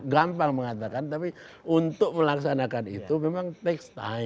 gampang mengatakan tapi untuk melaksanakan itu memang takes time